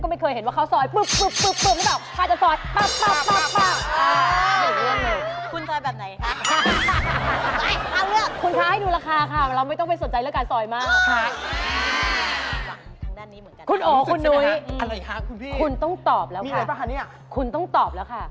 ไม่เคยเห็นว่าเขาซอยปึ๊บ